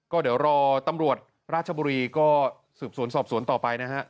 ก็เดี๋ยวรอตำรวจราชบุรีก็สืบสวนสอบสวนต่อไปนะฮะ